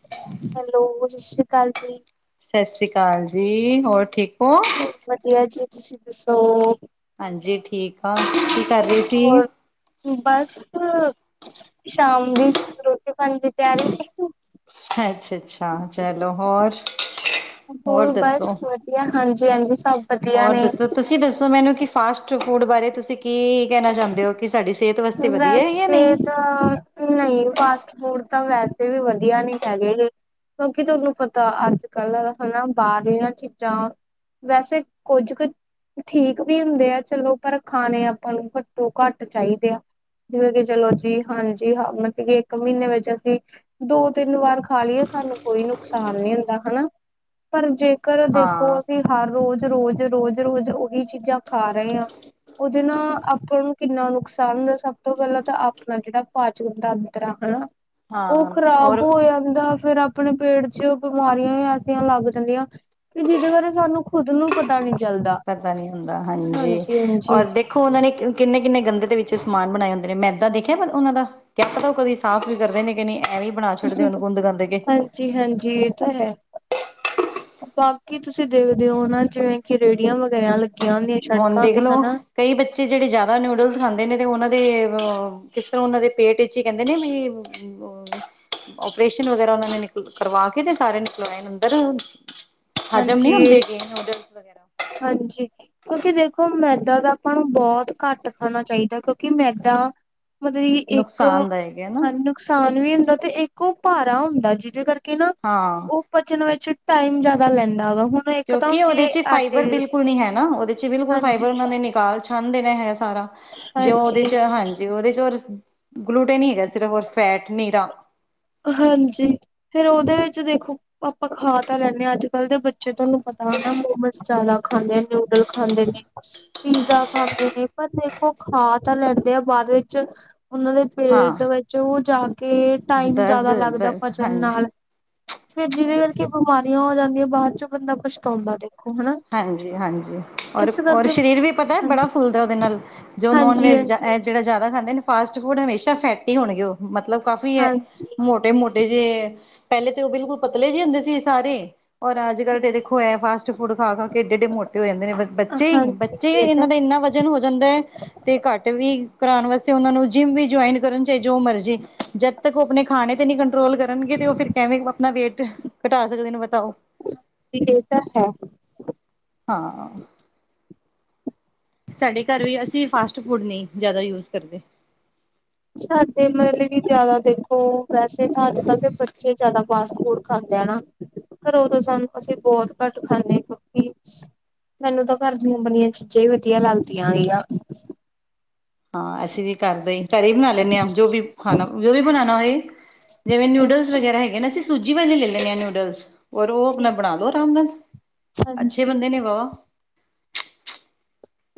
[inaudible] Hello, ਸਸ਼੍ਰੀ ਕਾਲ ਜੀ। ਸਸ਼੍ਰੀ ਕਾਲ ਜੀ, ਹੋਰ ਠੀਕ ਓ? ਵਦੀਆ ਜੀ, ਤੂਸੀ ਦੱਸੋ? ਹਾਂਜੀ ਠੀਕ ਆਂ, ਕੀ ਕਾਰ ਰੇ ਸੀ? ਬਾੱਸ ਸ਼ਾਮ ਦੀ ਰੋਟੀ ਪਾਨੀ ਦੀ ਤੇਆਰੀ। ਅੱਛ, ਅੱਛਾ ਚਲੋ ਹੋਰ-ਹੋਰ ਦੱਸੋ? ਕਿਆ ਹਾਂਜੀ-ਹਾਂਜੀ ਸ। ਹੋਰ ਦੱਸੋ, ਤੂਸੀ ਦੱਸੋ ਮੈਨੂੰ ਕੀ ਫਾਸਟ ਫੂਡ ਬਾਰੇ ਤੂਸੀ ਕੀ ਕੈਨਾ ਚਾਂਦੇ ਓ, ਕਿ ਸਾਡੀ ਸੇਤ ਵਸ [inaudible] ਨਾ, ਨਈ ਫਾਸਟ ਫੂਡ ਤਾਂ ਵੈਸੇ ਵੀ ਵਦੀਆ ਨੀ ਹੈਗੇ ਗੇ। ਕਿਉਂਕਿ ਤੂਆਨੂੰ ਪਤਾ, ਆੱਜ-ਕਾੱਲ ਹਨਾ ਬਾਰਲੀਆਂ ਚੀਜਾਂ ਵੈਸੇ ਕੁਝ ਕ ਠੀਕ ਵੀ ਹੁੰਦੇ ਐ ਚਲੋ, ਪਰ ਖਾਨੇ ਅਪਾਂ ਨੂੰ ਘੱਟੋ-ਘਾੱਟ ਚਾਈਦੇ ਆ। ਜਿਵੇਂ ਕਿ ਚਲੋ ਜੀ, ਹਾਂਜੀ, ਹਾਂ ਮਤਲਬ ਕਿ ਇੱਕ ਮ੍ਹੀਨੇ ਵਿੱਚ ਅਸੀ ਦੋ ਤਿੰਨ ਵਾਰ ਖਾ ਲੀਏ, ਸਾਨੂੰ ਕੋਈ ਨੁਕਸਾਨ ਨੀ ਹੁੰਦਾ, ਹਨਾ। ਪਰ ਜੇਕਰ ਹਾਂ ਦੇਖੋ ਅਸੀ ਹਰ ਰੋਜ ਰੋਜ, ਰੋਜ, ਰੋਜ ਓਹੀ ਚੀਜਾਂ ਖਾ ਰਏ ਆਂ। ਓਦੇ ਨਾ ਆਪਾਂ ਨੂੰ ਕਿੰਨਾ ਨੁਕਸਾਨ ਦਸ ਸਬ ਤੋਂ ਪ੍ਹੈਲਾਂ ਤਾਂ ਆਪਣਾ ਜੇੜਾ ਪਾਚਨ ਤਂਤਰ ਆ, ਹਣਾ, ਓ ਹਾਂ ਖ਼ਰਾਬ ਔਰ ਹੋਏਆ ਦਾ ਫੇਰ ਆਪਨੇ ਪੇਟ ਚ ਬਿਮਾਰੀਆਂ ਈ ਐਸੀਆਂ ਲੱਗ ਜਾਂਦੀਆਂ, ਕੀ ਜਿਦੇ ਬਾਰੇ ਸਾਨੂੰ ਖੁਦ ਨੂੰ ਪਤਾ ਨੀ ਚੱਲਦਾ, ਪਤਾ ਨਹੀਂ ਹੁੰਦਾ ਹਾਂਜੀ ਹਾਂਜੀ-ਹਾਂਜੀ। ਔਰ ਦੇਖੋ ਉਨਾਂ ਨੇ ਕਿੰਨੇ-ਕਿੰਨੇ ਗੰਦੇ ਦੇ ਵਿੱਚ ਸਮਾਨ ਬਣਾਏ ਹੁੰਦੇ ਨੇ, ਮੈਦਾਂ ਦੇਖੇਆ ਪਰ ਉਨਾਂ ਦਾ। ਕੇਆ ਪਤਾਂ ਓ ਕਦੀ ਸਾਫ਼ ਵੀ ਕਰਦੇ ਨੇ ਕਿ ਨਈ, ਐਂਵੇ ਈ ਬਨਾ ਛਡਦੇ ਓਨੂੰ ਗੁੰਦ-ਗਾਂਦ ਕੇ। ਜੀ ਹਾਂਜੀ, ਏ ਤਾ ਹੈ। ਬਾਕੀ ਤੂਸੀ ਦੇਖਦੇ ਓ, ਓਨਾ ਜਿਵੇਂ ਕਿ ਰੇੜੀਆਂ ਵਗੈਰਾ ਲੱਗੀਆਂ ਹੁੰਦੀਆਂ, ਸ਼ੜਕਾਂ ਤੇ, ਹਨਾ। ਕਈਂ ਬੱਚੇ ਜੇੜੇ ਜਾਦਾ ਨਿਊਡਲਸ ਖਾਂਦੇ ਨੇ, ਤੇ ਓਨਾਂ ਦੇ ਅ ਕਿਸ ਤਰਾਂ ਉਨਾਂ ਦੇ ਪੇਟ ਏਚ ਈ ਕੈਂਦੇ ਨੇ ਵੀ ਓਪਰੇਸ਼ਨ ਵਗੈਰਾ ਉਨਾਂ ਨੇ ਨਿਕਲ ਕਰਵਾ ਕੇ, ਤੇ ਸਾਰੇ ਨਿਕਲਵਾਏ ਅੰਦਰ ਹਜਮ ਨੀ ਹੁੰਦੇ ਹਾਂਜੀ ਹੈਗੇ ਨੂਡਲਸ ਵਗੈਰਾ। ਹਾਂਜੀ, ਕਿਉਂਕਿ ਦੇਖੋ ਮੈਦਾਂ ਤਾ ਆਪਾਂ ਨੂੰ ਬੋਤ ਘਾੱਟ ਖਾਨਾ ਚਾਈਦਾ, ਕਿਉਂਕਿ ਮੈਦਾਂ ਮਤਲਬ ਈ ਇੱਕ ਨੁਕਸਾਨਦਾਇਕ ਹੈ ਨਾ ਹਨ ਕਸਾਨ ਵੀ ਹੁੰਦੈ, ਤੇ ਇੱਕ ਓ ਭਾਰਾ ਹੁੰਦੈ, ਜਿਦੇ ਕਾਰਕੇ ਨਾ ਹਾਂ। ਪਚਨ ਵਿੱਚ ਟਾਈਮ ਜਾਦਾ ਲੈਂਦਾ ਹੈਗਾ ਹੁਣ ਇੱਕ ਤਾਂ ਕਿਉਂਕਿ ਓਦੇ ਜੇ ਚ ਆਟੇ ਫਾਈਬਰ ਦੇ ਬਿਲਕੁਲ ਨੀ ਹੈ ਨਾ, ਓਦੇ ਚ ਬਿਲਕੁਲ ਹਾਂਜੀ ਫਾਈਬਰ ਓਨਾਂ ਨੇ ਨਿਕਾਲ, ਛਾੱਨ ਦੇਨਾ ਹੈਗਾ ਸਾਰਾ। ਜੋ ਓਦੇ ਹਾਂਜੀ ਚ ਹਾਂਜੀ, ਉਦੇ ਚ ਔਰ ਗੂਲੂਟੇਨ ਈ ਹੈਗਾ ਸਿਰਫ, ਹੋਰ ਫੈਟ ਨੀਰਾ। ਹਾਂਜੀ ਫੇਰ ਉਹਦੇ ਵਿੱਚ ਦੇਖੋ ਆਪਾਂ ਖਾ ਤਾਂ ਲੈਂਦੇ ਹਾਂ ਅੱਜ ਕੱਲ ਦੇ ਬੱਚੇ ਤੁਹਾਨੂੰ ਪਤਾ ਹਨਾ ਮੋਮਸ ਜ਼ਿਆਦਾ ਖਾਂਦੇ ਆ ਨਿੂਡਲ ਖਾਂਦੇ ਨੇ। ਪੀਜ਼ਾ ਖਾਂਦੇ ਨੇ ਪਰ ਦੇਖੋ ਖਾ ਤਾਂ ਲੈਂਦੇ ਆ ਬਾਅਦ ਵਿੱਚ ਉਹਨਾਂ ਦੇ ਹਾਂ ਪੇਟ ਵਿੱਚ ਉਹ ਜਾ ਕੇ ਟਾਈਮ ਦਰਦ ਜ਼ਿਆਦਾ ਲੱਗਦਾ ਦਰਦ ਪਚਣ ਹਾਂਜੀ ਨਾਲ ਫੇਰ ਜਿਹਦੇ ਕਰਕੇ ਬਿਮਾਰੀਆਂ ਹੋ ਜਾਂਦੀਆਂ ਬਾਅਦ ਚ ਕੁਸ਼ ਤਾਂ ਹੁੰਦਾ ਦੇਖੋ। ਹਾਂਜੀ ਹਾਂਜੀ ਔਰ ਇਸ ਔਰ ਕਰਕੇ ਸਰੀਰ ਵੀ ਪਤਾ ਬੜਾ ਹਾਂਜੀ, ਫੁੱਲਦਾ ਉਹਦੇ ਨਾਲ। ਜੋ ਨੋਨ ਹਾਂਜੀ, ਵੈਜ ਜਾ ਹਾਂਜੀ, ਇਹ ਜਿਹੜਾ ਜ਼ਿਆਦਾ ਖਾਂਦੇ ਨੇ ਫਾਸਟ ਫੂਡ ਹਮੇਸ਼ਾ ਫੈਟੀ ਹੋਣਗੇ ਉਹ ਮਤਲਬ ਕਾਫੀ ਹਾਂਜੀ। ਮੋਟੇ ਮੋਟੇ ਜੇ ਪਹਿਲੇ ਤੇ ਉਹ ਬਿਲਕੁਲ ਪਤਲੇ ਜਿਹੇ ਹੁੰਦੇ ਸੀ ਸਾਰੇ ਔਰ ਅੱਜ [unintelligible] ਫਾਸਟ ਫੂਡ ਖਾ ਕੇ ਏਡੇ ਏਡੇ ਮੋਟੇ ਹੋ ਜਾਂਦੇ ਨੇ ਬੱਚੇ ਹੀ ਹਾਂਜੀ, ਬੱਚੇ ਇਹ ਤਾਂ ਇਹਨਾਂ ਦਾ ਇੰਨਾ ਨੂੰ ਹੋ ਜਾਂਦਾ ਤੇ ਘੱਟ ਵੀ ਕਰਉਣ ਵਾਸਤੇ ਉਹਨਾਂ ਨੂੰ ਜਿੰਮ ਵੀ ਜੁਆਇਨ ਕਰਨ ਚਾਹੇ ਜੋ ਮਰਜ਼ੀ ਜ ਜਦੋਂ ਤੱਕ ਉਹ ਆਪਣੇ ਖਾਣੇ ਤੇ ਨੀ ਕੰਟਰੋਲ ਕਰਨਗੇ ਤੇ ਉਹ ਫੇਰ ਕੈਵੇਂ ਆਪਣਾ ਵੇਟ ਘਟਾ ਸਕਦੇ ਨੇ ਬਤਾਓ। ਫੇਰ ਓੁਹ ਤਾਂ ਹੈ। ਹਾਂ। ਸਾਡੇ ਘਰ ਵੀ ਅਸੀਂ ਫਾਸਟ ਫੂਡ ਨਹੀਂ ਜ਼ਿਆਦਾ ਯੂਜ ਕਰਦੇ। ਸਾਡੇ ਮਤਲਬ ਕਿ ਜਿਆਦਾ ਦੇਖੋ ਵੈਸੇ ਤਾਂ ਅੱਜ ਕੱਲ੍ਹ ਦੇ ਬੱਚੇ ਜ਼ਿਆਦਾ ਫਾਸਟਫੂਡ ਖਾਂਦੇ ਆ ਨਾ ਫੇਰ ਓੁਦੋਂ ਸਾਨੂੰ ਅਸੀਂ ਬਹੁਤ ਘੱਟ ਖਾਂਦੇ ਕਿਉਂਕਿ ਮੈਨੂੰ ਤਾਂ ਘਰ ਦੀਆਂ ਬਣੀਆਂ ਚੀਜ਼ਾਂ ਹੀ ਵਧੀਆ ਲੱਗਦੀਆਂ ਹੈਗੀਆਂ। ਹਾਂ ਅਸੀਂ ਵੀ ਕਰਦੇ ਹੀ ਘਰੇ ਹੀ ਬਣਾ ਲੈਂਦੇ ਹਾਂ ਜੋ ਵੀ ਖਾਣਾ ਜੋ ਵੀ ਬਣਾਉਣਾ ਹੋਏ ਜਿਵੇਂ ਅੱਛਾ, ਨੂਡਲਸ ਅੱਛਾ। ਵਗੈਰਾ ਹੈ [unintelligible] ਅਸੀਂ ਸੂਜੀ ਵਾਲੇ ਲੈ ਲੈਣੇ ਹਾਂ ਨੂਡਲਸ ਔਰ ਉਹ ਆਪਣਾ ਠੀਕ ਬਣਾ ਲੋ ਆਰਾਮ ਨਾਲ। ਅੱਛੇ ਹਾਂਜੀ। ਬਣਦੇ ਨੇ ਵਾਹ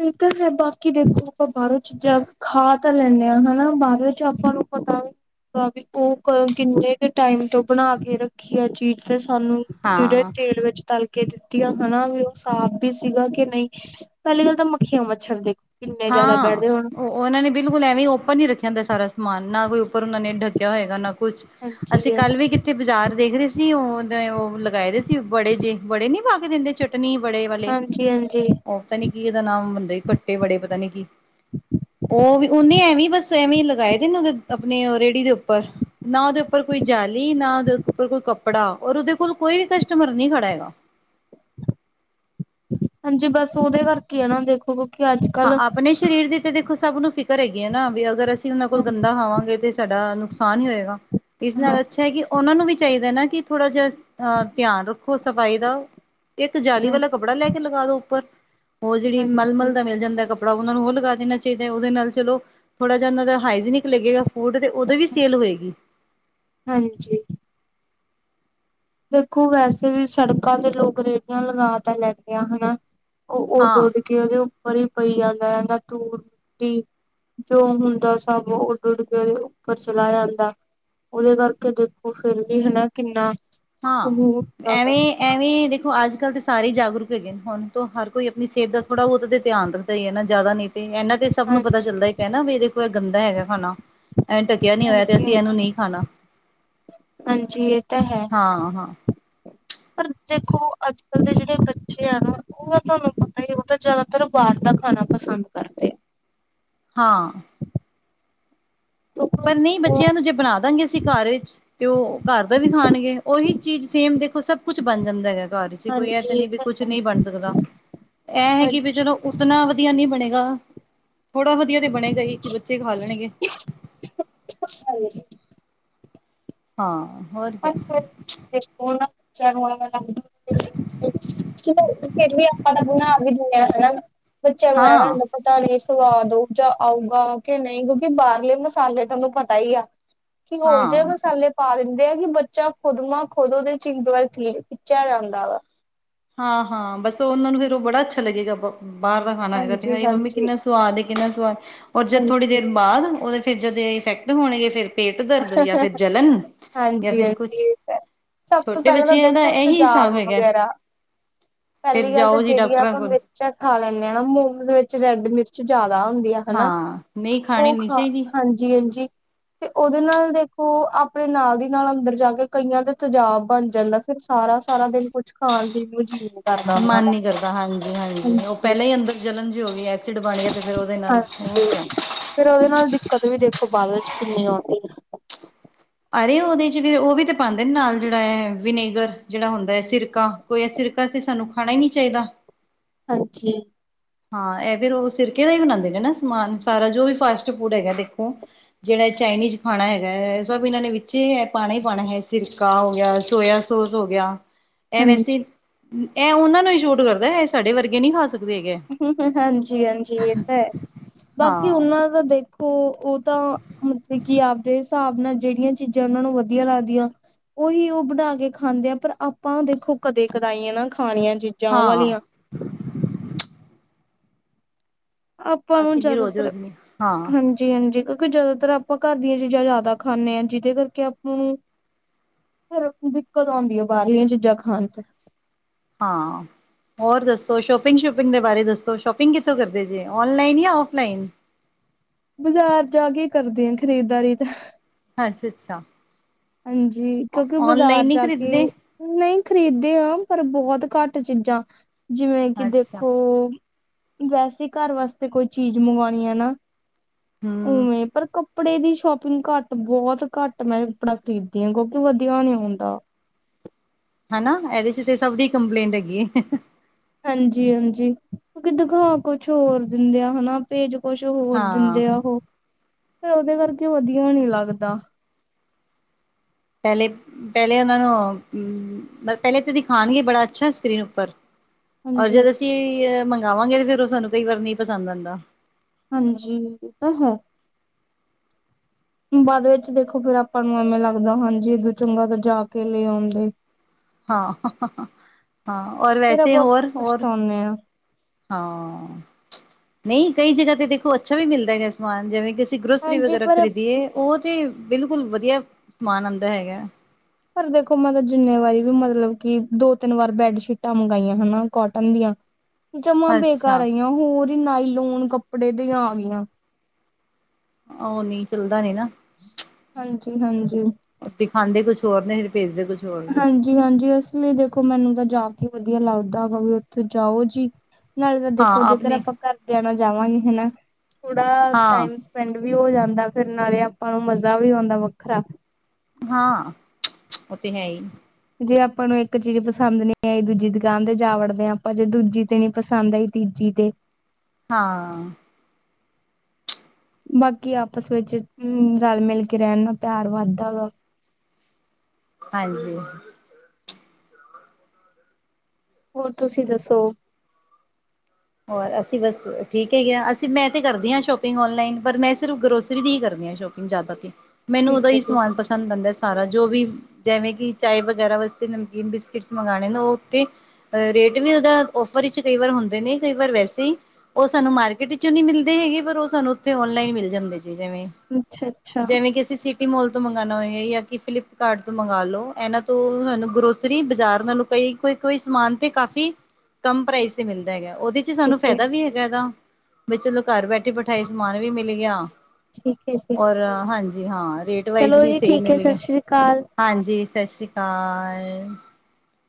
ਇਹ ਤਾਂ ਹੈ ਬਾਕੀ ਦੇਖੋ ਆਪਾਂ ਬਾਹਰੋ ਚੀਜ਼ਾਂ ਖਾ ਤਾਂ ਲੈਂਦੇ ਹਾਂ ਹਨਾ ਬਾਅਦ ਚ ਆਪਾਂ ਨੂੰ ਪਤਾ ਵੀ ਉਹ ਕਿੰਨੇ ਕੁ ਟਾਈਮ ਤੋਂ ਬਣਾ ਕੇ ਰੱਖੀ ਆ ਚੀਜ਼ ਤੇ ਸਾਨੂੰ ਜਿਹੜੇ ਹਾਂ ਤੇਲ ਵਿੱਚ ਤਲ ਕੇ ਦਿੱਤੀਆਂ ਹੈਨਾ ਵੀ ਉਹ ਸਾਫ਼ ਵੀ ਸੀਗਾ ਕਿ ਨਹੀਂ ਪਹਿਲੀ ਗੱਲ ਮੱਖੀਆਂ ਮੱਛਰ ਦੇਖੋ ਕਿੰਨੇ ਜ਼ਿਆਦਾ ਹਾਂ ਬੈਠਦੇ ਹੁਣ ਉਹ ਉਹ ਇਹਨਾਂ ਨੇ ਬਿਲਕੁਲ ਐਵੇਂ ਓਪਨ ਨਹੀਂ ਰੱਖਿਆ ਹੁੰਦਾ ਸਾਰਾ ਸਮਾਨ ਨਾ ਕੋਈ ਉੱਪਰ ਉਹਨਾਂ ਨੇ ਢੱਕਿਆ ਹੋਏਗਾ ਨਾ ਕੁਛ। ਹਾਂਜੀ ਅਸੀਂ ਕੱਲ ਵੀ ਹਾਂਜੀ ਕਿੱਥੇ ਬਾਜ਼ਾਰ ਦੇਖਰੇ ਸੀ ਜੀ ਉਹ ਉਹ ਲਗਾਏ ਦੇ ਸੀ ਬੜੇ ਜੇ ਬੜੇ ਨੀ ਪਾਕੇ ਦਿੰਦੇ ਚ ਚਟਨੀ ਬੜੇ ਵਾਲੇ ਹਾਂਜੀ ਹਾਂਜੀ ਉਹ ਪਤਾ ਨੀ ਕੀ ਓੁਹਦਾ ਨਾਮ [unintelligible] ਕੱਟੇ ਬੜੇ ਪਤਾ ਨੀ ਕੀ ਉਹ ਵੀ ਉਹਨੇ ਐਵੇਂ ਬਸ ਐਵੇਂ ਲਗਾਏ ਦੇ ਨੇ ਆਪਣੀ ਓੁਹ ਰੇਹੜੀ ਦੇ ਉੱਪਰ। ਨਾ ਉਹਦੇ ਉੱਪਰ ਕੋਈ ਜਾਲੀ ਨਾ ਉਹਦੇ ਉੱਪਰ ਕੋਈ ਕੱਪੜਾ ਔਰ ਉਹਦੇ ਕੋਲ ਕੋਈ ਵੀ ਕਸਟਮਰ ਨਹੀਂ ਖੜਾ ਹੈਗਾ। ਹਾਂਜੀ ਬਸ ਉਹਦੇ ਕਰਕੇ ਆ ਨਾ ਦੇਖੋ। ਕਿਉਂਕਿ ਅੱਜ ਕੱਲ ਹਾਂ ਆਪਣੇ ਸਰੀਰ ਦੀ ਤੇ ਦੇਖੋ ਸਭ ਨੂੰ ਫਿਕਰ ਹੈਗੀ ਹੈ ਨਾ ਵੀ ਅਗਰ ਅਸੀਂ ਅਸੀਂ ਉਹਨਾਂ ਕੋਲ ਗੰਦਾ ਖਾਵਾਂਗੇ ਤੇ ਸਾਡਾ ਨੁਕਸਾਨ ਹੀ ਹੋਏਗਾ। ਇਸ ਹਾਂ ਨਾਲ ਅੱਛਾ ਹੈ ਕਿ ਉਹਨਾਂ ਨੂੰ ਵੀ ਚਾਹੀਦਾ ਨਾ ਕਿ ਥੋੜ੍ਹਾ ਜਿਹਾ ਅਹ ਧਿਆਨ ਰੱਖੋ ਸਫ਼ਾਈ ਦਾ। ਇੱਕ ਜਾਲੀ ਹਾਂ ਵਾਲਾ ਕੱਪੜਾ ਲੈ ਕੇ ਲਗਾ ਦੋ ਉੱਪਰ। ਉਹ ਜਿਹੜੀ ਮਲਮਲ ਹਾਂਜੀ ਦਾ ਮਿਲ ਜਾਂਦਾ ਹੈ ਕੱਪੜਾ ਉਹਨਾਂ ਨੂੰ ਉਹ ਲਗਾ ਦੇਣਾ ਚਾਹੀਦਾ ਹੈ ਉਹਦੇ ਨਾਲ ਚਲੋ ਥੋੜਾ ਜਿਹਾ ਉਹਨਾਂ ਦਾ ਹਾਈਜੀਨਿਕ ਲੱਗੇਗਾ ਫੂਡ ਤੇ ਉਦੋਂ ਵੀ ਸੇਲ ਹੋਏਗੀ। ਹਾਂਜੀ। ਦੇਖੋ ਵੈਸੇ ਵੀ ਸੜਕਾਂ ਤੇ ਲੋਕ ਰੇਹੜੀਆਂ ਲਗਾ ਤਾਂ ਲੈਂਦੇ ਆ ਹਨਾ ਓ ਉੱਡ- ਹਾਂ ਉੱਡ ਕੇ ਓਦੇ ਉੱਪਰ ਈ ਪਈ ਜਾਂਦਾ ਰੇਂਦਾ ਧੂੜ ਮਿੱਟੀ। ਜੋ ਹੁੰਦਾ ਸਭ ਉੱਡ -ਉੱਡ ਕੇ ਓਦੇ ਉੱਪਰ ਚਲਾ ਜਾਂਦਾ। ਓਦੇ ਕਰਕੇ ਦੇਖੋ ਫੇਰ ਵੀ ਹਨਾ ਕਿੰਨਾ ਹਾਂ, ਉਹ ਹੁੰਦਾ ਗਾ ਐਵੇਂ ਐਵੇਂ ਦੇਖੋ ਅੱਜ- ਕੱਲ੍ਹ ਤਾਂ ਸਾਰੇ ਜਾਗਰੂਕ ਹੈਗੇ ਨੇ, ਹੁਣ ਤੋਂ ਹਰ ਕੋਈ ਆਪਣੀ ਸਿਹਤ ਦਾ ਥੋੜ੍ਹਾ ਬੋਤਾ ਤਾ ਧਿਆਨ ਰੱਖੇ। ਸਹੀ ਨਾ ਜ਼ਿਆਦਾ ਨੀ ਤੇ, ਏਨਾਂ ਤੇ ਸਭ ਨੂੰ ਪਤਾ ਹਾਂਜੀ ਚੱਲਦਾ ਈ ਪਿਆ ਨਾ ਕੀ ਏਦੇ ਕੋਲ ਗੰਦਾ ਹੈਗਾ ਖਾਣਾ। ਐਂ ਢੱਕਿਆ ਨੀ ਹੋਇਆ ਤੇ ਹਾਂਜੀ ਅਸੀਂ ਏਨੂੰ ਹਾਂਜੀ ਨਈ ਖਾਣਾ। ਹਾਂਜੀ, ਏ ਤਾਂ ਹੈ। ਹਾਂ, ਹਾਂ। ਪਰ ਦੇਖੋ ਅੱਜ-ਕੱਲ ਦੇ ਜੇੜੇ ਬੱਚੇ ਐ ਨਾ ਓ ਤੁਆਨੂੰ ਪਤਾ ਈ ਆ ਓ ਤਾਂ ਜ਼ਿਆਦਾਤਰ ਬਾਰ ਦਾ ਖਾਣਾ ਪਸੰਦ ਕਰਦੇ ਆ। ਹਾਂ। ਆ ਪਰ ਨਈ ਉਹ ਬੱਚੇਆਂ ਨੂੰ ਜੇ ਬਣਾਦਾਂਗੇ ਅਸੀ ਘਰ ਤੇ ਓ ਘਰ ਦਾ ਵੀ ਖਾਣਗੇ ਉਹੀ ਚੀਜ਼ ਸੇਮ ਦੇਖੋ ਸਭ ਕੁਛ ਬਣ ਜਾਂਦਾ ਹੈਗਾ। ਘਰ ਚ ਕੋਈ ਐ ਤੇ ਹਾਂਜੀ ਨੀ ਵੀ ਕੁਛ ਨਈ ਬਣ ਸਕਦਾ, ਐ ਹੈ ਕੀ ਵੀ ਚਲੋ ਹਾਂਜੀ ਉਤਨਾ ਵਧੀਆ ਨਈ ਬਣੇਗਾ, ਥੋੜਾ ਵਧੀਆ ਤੇ ਬਣੇਗਾ ਹੀ ਕਿ ਬੱਚੇ ਖਾ ਲੈਣਗੇ। ਹਾਂਜੀ। ਹਾਂ ਹੋਰ ਕਿਆ ਤੇ ਸਕੂਲ ਨਾ ਬੱਚਿਆਂ ਨੂੰ ਔਏਲ ਵਾਲਾ ਨਈ ਭੇਜਦੇ, ਚਲੋ ਫਿਰ ਵੀ ਆਪਾਂ ਤਾ ਬਣਾ ਵੀ ਦਿੰਦੇੇ ਆ ਹਨਾ, ਬੱਚਿਆਂ ਨੂੰ ਐਵੇ ਹਾਂ ਦਾ ਪਤਾ ਨਈ ਸਵਾਦ ਊ ਜਾ ਆਊਗਾ ਕੇ ਨਈ, ਕਿਉਂਕਿ ਬਾਹਰਲੇ ਮਸਾਲੇ ਤੁਆਨੂੰ ਪਤਾ ਈ ਆ। ਕੀ ਹੋਰ ਜੇ ਹਾਂ ਮਸਾਲੇ ਪਾ ਦਿੰਦੇ। ਕਿ ਬੱਚਾ ਖੁਦਮਾ- ਖੁਦ ਓਦੇ ਚਿੰਦਾਰਖੇ ਖਿੱਚਿਆ ਜਾਂਦਾ ਵਾ। ਹਾਂ- ਹਾਂ ਬਸ ਓਨਾਂ ਨੂੰ ਫੇਰ ਓ ਬੜਾ ਅੱਛਾ ਲੱਗੇਗਾ ਬ ਬਾਰ ਦਾ ਖਾਣਾ ਹੈਗਾ ਕੇ ਹਾਂਜੀ, ਹਾਏ ਮੰਮੀ ਹਾਂਜੀ, ਕਿੰਨਾ- ਸਵਾਦ ਕਿੰਨਾ ਸਵਾਦ ਔਰ ਜਦ ਥੋੜੀ ਹਾਂਜੀ। ਦੇਰ ਬਾਅਦ ਓਦੇ ਫਿਰ ਜਦ ਏ ਇਫੈਕਟ ਹੋਣਗੇ, ਫੇਰ ਪੇਟ ਦਰਦ ਜਾ ਫਿਰ ਜਲਨ ਜਾ ਹਾਂਜੀ, ਫਿਰ ਹਾਂਜੀ ਕੁਛ। ਇਹ ਤਾਂ ਹੈ। ਸਭ ਤੋਂ ਛੋਟੇ ਪਹਿਲਾਂ ਤਾਂ ਬੱਚੇਆਂ ਦਾ ਦੇਖੋ ਏਹੀ ਤੇਜ਼ਾਬ ਹਿਸਾਬ ਹੈਗਾ, ਵਗੈਰਾ ਫਿਰ ਜਾਓ ਜੀ ਡਾਕਟਰਾਂ ਕੋਲ। ਚਲ ਖਾ ਲੈਂਦੇ ਹਨਾ, ਮੋਮਜ਼ ਵਿੱਚ ਰੈਡ ਮਿਰਚ ਜਾਦਾ ਹੁੰਦੀ ਐ ਤੇ ਹਨਾ, ਹਾਂ ਨਹੀਂ ਖਾਣੀ ਉਹ ਨੀ ਖਾ ਚਾਹੀਦੀ ਹਾਂਜੀ- ਹਾਂਜੀ। ਉਦੇ ਨਾਲ ਦੇਖੋ ਆਪਣੇ ਨਾਲ ਦੀ ਨਾਲ ਅੰਦਰ ਜਾ ਕੇ ਕਈਆਂ ਦੇ ਤਜਾਬ ਬਣ ਜਾਂਦਾ। ਫੇਰ ਸਾਰਾ- ਸਾਰਾ ਦਿਨ ਕੁਛ ਖਾਣ-ਪੀਣ ਨੂੰ ਅਜੀਬ। ਮਨ ਨੀ ਕਰਦਾ ਹਾਂਜੀ- ਹਾਂਜੀ, ਉਹ ਪੇਲਾਂ ਈ ਅੰਦਰ ਜਲਣ ਜਿ ਹੋ ਗਈ ਐਸਿਡ ਬਣ ਗਿਆ ਤੇ ਫੇਰ ਓਦੇ ਨਾਲ ਔਰ ਹਾਂਜੀ ਕਿਆ। ਫੇਰ ਓਦੇ ਨਾਲ ਦਿੱਕਤ ਵੀ ਦੇਖੋ ਬਾਅਦ ਵਿੱਚ ਕਿੰਨੀਆ ਅਰੇ ਉਦੇ ਚ ਫਿਰ ਉਹ ਵੀ ਤੇ ਪਾਂਦੇ ਨੇ ਨਾਲ ਜੇੜਾ ਐ ਵਿਨੇਗਰ ਜੇੜਾ ਹੁੰਦਾ ਐ ਸਿਰਕਾ। ਕੋਈ ਐ ਸਿਰਕਾ ਤੇ ਸਾਨੂੰ ਖਾਣਾ ਈ ਨੀ ਚਾਈਦਾ। ਹਾਂਜੀ। ਹਾਂ, ਏ ਫਿਰ ਓ ਸਿਰਕੇ ਦਾ ਈ ਬਣਾਂਦੇ ਨੇ ਨਾ ਸਮਾਨ ਸਾਰਾ ਜੋ ਵੀ ਫਾਸਟ ਫੂਡ ਹੈਗਾ ਦੇਖੋ। ਜਿਵੇ ਚਾਈਨੀਜ਼ ਖਾਣਾ ਹੈਗਾ ਐ ਏ ਸਭ ਏਨਾਂ ਨੇ ਵਿੱਚ ਏ -ਈ ਪਾਣਾ ਈ ਪਾਣਾ ਹੈ ਸਿਰ ਕਾ ਹੋ ਗੇਆ, ਸੋਇਯਾ ਸੋਸ ਹੋ ਗੇਆ, ਏ ਵੈਸੇ ਹਾਂਜੀ ਏ ਓਨਾਂ ਨੂੰ ਈ ਛੂਟ ਕਰਦੇ, ਏ ਸਾਡੇ ਵਰਗੇ ਨੀ ਖਾ ਸਕਦੇ ਹੈਗੇ। ਹਾਂਜੀ- ਹਾਂਜੀ ਏ ਤਾਂ ਐ, ਬਾਕੀ ਹਾਂ ਓਨਾਂ ਦਾ ਦੇਖ ਓ- ਓ ਤਾਂ ਮਤਲਬ ਕੀ ਆਪਦੇ ਹਿਸਾਬ ਨਾਲ ਜੇੜੀਆਂ ਚੀਜ਼ਾਂ ਉਹਨਾਂ ਨੂੰ ਵਧੀਆ ਲੱਗਦੀਆਂ ਉਹੀ ਓ ਬਣਾ ਕੇ ਖਾਂਦੇ ਆ, ਪਰ ਆਪਾਂ ਦੇਖੋ ਕਦੇ ਕਦਾਈ ਆ ਖਾਣੀਆਂ ਚੀਜ਼ਾਂ ਉਹ ਹਾਂ ਵਾਲੀਆਂ ਆਪਾਂ ਨੂੰ ਅਸੀਂ ਨੀ ਰੋਜ਼ ਜਿਆਦਾਤਰ, ਰੋਜ਼ ਨੀ ਹਾਂ ਹਾਂਜੀ। ਜੀ ਹਾਂਜੀ, ਕਿਉਂਕਿ ਜਿਆਦਾਤਰ ਆਪਾਂ ਘਰ ਦੀਆਂ ਚੀਜ਼ਾਂ ਜ਼ਾਦਾ ਖਾਂਨੇ ਆ ਜਿਦੇ ਕਰਕੇ ਆਪਾਂ ਨੂੰ ਫਿਰ ਉਹ ਦਿੱਕਤ ਆਉਂਦੀ ਐ, ਬਾਰਲੀਆਂ ਚੀਜ਼ਾਂ ਖਾਣ 'ਚ। ਹਾਂ। ਹੋਰ ਦੱਸੋ? ਸ਼ੋਪਿੰਗ-ਸ਼ੂਪਿੰਗ ਦੇ ਬਾਰੇ ਦੱਸੋ? ਸ਼ੋਪਿੰਗ ਕਿੱਥੋਂ ਕਰਦੇ ਜੇ, ਔਨਲਾਈਨ ਜਾਂ ਔਫਲਾਈਨ। ਬਾਜ਼ਾਰ ਜਾ ਕੇ ਈ ਕਰਦੇ ਆ, ਖ਼ਰੀਦਦਾਰੀ ਤਾਂ। ਅੱਛਾ-ਅੱਛਾ। ਹਾਂਜੀ, ਕਿਉਂਕਿ ਬਾਜ਼ਾਰ ਨਹੀਂ ਜਾ ਖਰੀਦਦੇ ਕੇ ਨਹੀਂ ਖਰੀਦਦੇ ਆ। ਪਰ ਬਹੁਤ ਘੱਟ ਚੀਜ਼ਾਂ, ਜਿਵੇਂ ਕਿ ਅੱਛਾ ਦੇਖੋ ਜਾਂ ਅਸੀਂ ਘਰ ਵਾਸਤੇ ਕੋਈ ਚੀਜ਼ ਮੰਗਉਣੀ ਐ ਨਾ। ਹਮ ਉਵੇਂ ਪਰ ਕੱ ਕੱਪੜੇ ਦੀ ਸ਼ੋਪਿੰਗ ਘੱਟ, ਬਹੁਤ ਘੱਟ ਮੈਂ ਕੱਪੜਾ ਖ਼ਰੀਦੀ ਆ। ਕਿਉਂਕਿ ਵਧੀਆ ਨੀ ਆਉਂਦਾ। ਹਨਾ। ਇਹਦੇ 'ਚ ਤੇ ਸਭ ਦੀ ਕੰਪਲੇਂਟ ਹੈਗੀ। ਹਾਂਜੀ-ਹਾਂਜੀ, ਕਿਉਂਕਿ ਦਖਾ ਕੁਛ ਹੋਰ ਦਿੰਦੇ ਆ, ਹਨਾ। ਭੇਜ ਕੁਛ ਹੋਰ ਹਾਂ ਦਿੰਦੇ ਆ ਉਹ। ਫਿਰ ਉਹਦੇ ਕਰਕੇ ਵਧੀਆ ਨੀ ਲੱਗਦਾ। ਪਹਿਲੇ-ਪਹਿਲੇ ਉਹਨਾਂ ਨੂੰ ਅ ਮ ਪਹਿਲੇ ਤੇ ਦਿਖਾਣਗੇ ਬੜਾ ਅੱਛਾ ਸਕਰੀਨ ਉੱਪਰ ਔਰ ਜਦ ਅਸੀਂ ਹਾਂਜੀ-ਹਾਂਜੀ। ਇਹ ਮੰਗਵਾਂਗੇ ਤੇ ਫੇਰ ਉਹ ਸਾਨੂੰ ਕਈ ਵਾਰ ਨਹੀਂ ਪਸੰਦ ਆਂਦਾ। ਹਾਂਜੀ, ਇਹ ਹਾ। ਬਾਦ ਵਿੱਚ ਦੇਖੋ, ਫਿਰ ਆਪਾਂ ਨੂੰ ਐਵੇਂ ਲੱਗਦਾ। ਹਾਂਜੀ, ਇਦੋਂ ਚੰਗਾ ਤਾਂ ਜਾ ਕੇ ਲਿਆਉਦੇ। ਹਾਂ-ਹਾਂ। ਔਰ, ਫਿਰ ਵੈਸੇ ਆਪਾਂ ਹੋਰ-ਹੋਰ ਪਛਤਾਉਂਦੇ ਹਾਂ ਹਾਂ, ਨਹੀਂ ਕਈ ਜਗ੍ਹਾ ਤੇ ਦੇਖੋ, ਅੱਛਾ ਵੀ ਮਿਲਦਾ ਜੇ ਸਮਾਨ। ਜਿਵੇਂ ਕਿ ਅਸੀਂ ਗਰੋਸਰੀ ਹਾਂਜੀ ਵਗੈਰਾ ਪਰ ਖਰੀਦੀਏ। ਉਹ ਤੇ ਬਿਲਕੁਲ ਵਧੀਆ ਸਮਾਨ ਆਂਦਾ ਹੈਗਾ। ਪਰ ਦੇਖੋ, ਮੈਂ ਤਾਂ ਜਿੰਨੇ ਵਾਰੀ ਵੀ। ਮਤਲਬ ਕਿ ਦੋ-ਤਿੰਨ ਵਾਰ ਬੈਡਸ਼ੀਟਾਂ ਮੰਗਾਈਆਂ ਹਨਾ, ਕੋਟਨ ਦੀਆਂ। ਜਮਾਂ ਬੇਕਾਰ ਅੱਛਾ ਆਈਆਂ। ਹੋਰ ਈ ਨਾਈਲੋਣ ਕੱਪੜੇ ਦੀਆਂ ਆਗੀਆਂ। ਉਹ ਨੀ, ਚੱਲਦਾ ਨੀ ਨਾ। ਹਾਂਜੀ-ਹਾਂਜੀ। ਉਹ ਦਿਖਾਂਦੇ ਕੁਛ ਹੋਰ ਨੇ। ਫਿਰ ਭੇਜਦੇ ਕੁਛ ਹੋਰ ਨੇ ਹਾਂਜੀ-ਹਾਂਜੀ। ਇਸ ਲਈ ਦੇਖੋ, ਮੈਨੂੰ ਤਾਂ ਜਾ ਕੇ ਵਧੀਆ ਲੱਗਦਾ ਹੈਗਾ, ਵੀ ਉੱਥੇ ਜਾਓ ਜੀ। ਨਾਲੇ ਤਾਂ ਹਾਂ ਦੇਖੋ, ਜੇਕਰ ਆਪਣੇ ਆਪਾਂ ਘਰਦਿਆ ਨਾ ਜਾਵਾਂਗੇ, ਹਨਾ। ਥੋੜਾ ਹਾਂ ਟਾਈਮ ਸਪੇੰਡ ਵੀ ਹੋ ਜਾਂਦਾ। ਫਿਰ ਨਾਲੇ ਆਪਾਂ ਨੂੰ ਮਜ਼ਾ ਵੀ ਆਉਂਦਾ, ਵੱਖਰਾ। ਹਾਂ, ਉਹ ਤੇ ਹੈਈ। ਜੇ ਆਪਾਂ ਨੂੰ ਇੱਕ ਚੀਜ਼ ਪਸੰਦ ਨੀ ਆਈ। ਦੂਜੀ ਦੁਕਾਨ ਤੇ ਜਾ ਵੜਦੇ ਆ ਆਪਾਂ। ਜੇ ਦੂਜੀ ਤੇ ਨੀ ਪਸੰਦ ਆਈ ਤੀਜੀ ਤੇ ਹਾਂ। ਬਾਕੀ ਆਪਸ ਵਿੱਚ ਰਲ-ਮਿਲ ਕੇ ਰਹਿਣ ਨਾ ਪਿਆਰ ਵੱਧਦਾ ਵਾ। ਹਾਂਜੀ। ਹੋਰ ਤੁਸੀਂ ਦੱਸੋ? ਔਰ ਅਸੀਂ ਬਸ ਠੀਕ ਹੈਗੇ ਆ। ਅਸੀਂ, ਮੈਂ ਤੇ ਕਰਦੀ ਆ ਸ਼ੋਪਿੰਗ ਔਨਲਾਈਨ। ਪਰ ਮੈਂ ਸਿਰਫ਼ ਗਰੋਸਰੀ ਦੀ ਹੀ ਕਰਦੀ ਆ ਸ਼ੋਪਿੰਗ। ਜਿਆਦਾ ਤੇ ਮੈਨੂੰ ਠੀਕ ਉਹਦਾ ਹੈ ਈ ਜੀ ਸਮਾਨ ਪਸੰਦ ਆਂਦਾ ਸਾਰਾ। ਜੋ ਵੀ ਜਿਵੇਂ ਕਿ ਚਾਏ ਵਗੈਰਾ ਵਾਸਤੇ, ਨਮਕੀਨ, ਬਿਸਕਿਟਸ ਮੰਗਾਂਣੇ ਨੇ। ਉਹ ਓ ਤੇ ਰੇਟ ਵੀ ਉਹਦਾ, ਔਫਰ ਇੱਚ ਕਈ ਵਾਰ ਹੁੰਦੇ ਨੇ। ਕਈ ਵਾਰ ਵੈਸੇ ਈ। ਉਹ ਸਾਨੂੰ ਮਾਰਕੀਟ 'ਚੋਂ ਨੀ ਮਿਲਦੇ ਹੈਗੇ। ਪਰ ਉਹ ਸਾਨੂੰ ਉੱਥੇ ਔਨਲਾਈਨ ਮਿਲ ਜਾਂਦੇ ਜੇ। ਜਿਵੇਂ ਅੱਛਾ-ਅੱਛਾ ਜਿਵੇਂ ਕਿ ਅਸੀਂ ਸੀਟ ਟੀ ਮੋਲ ਤੋਂ ਮੰਗਾਣਾ ਹੋਏ। ਜਾਂ ਕਿ ਫਲਿੱਪਕਾਡ ਤੋਂ ਮੰਗਾਲੋ। ਐਂਨਾਂ ਤੋਂ ਤਹਾਨੂੰ ਗ੍ਰੋਸਰੀ ਬਾਜ਼ਾਰ ਨਾਲੋਂ ਪ‌ਏ ਕੋਈ ਕੋਈ ਸਮਾਨ ਤੇ ਕਾਫ਼ੀ, ਕੰਮ ਪ੍ਰਾਈਜ਼ ਤੇ ਮਿਲਦਾ ਹੈਗਾ। ਓਦੇ 'ਚ ਸਾਨੂੰ ਠੀਕ ਹੈ ਫ਼ਾਇਦਾ ਵੀ ਹੈਗਾ ਗਾ। ਵੀ ਚਲੋ, ਘਰ ਬੈਠੇ-ਬਿਠਾਏ ਸਮਾਨ ਵੀ ਮਿਲ ਗਿਆ। ਠੀਕ ਹੈ ਜੀ। ਔਰ, ਹਾਂਜੀ ਹਾਂ। ਰੇਟ ਵਾਈਜ਼ ਚਲੋ ਵੀ ਜੀ ਸਈ ਠੀਕ ਹੈ ਸਤਿ ਮਿਲਗੇ। ਸ੍ਰੀ ਅਕਾਲ। ਹਾਂਜੀ, ਸਸ਼੍ਰੀਕਾਲ।